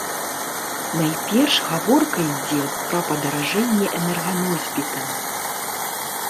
Найперш, гаворка ідзе пра падаражэнне энерганосьбітаў.